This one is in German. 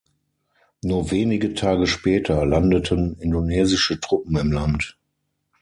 Nur wenige Tage später landeten indonesische Truppen im Land.